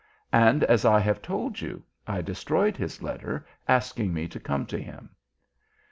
And as I have told you, I destroyed his letter asking me to come to him.